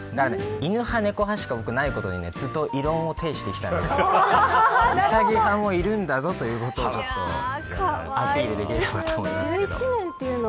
犬派、猫派しかないことに僕はずっと異論を呈してきたんですけどウサギ派もいるんだぞということがアピールできればと。